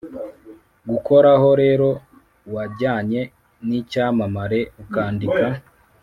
gukoraho. rero wajyanye nicyamamare ukandika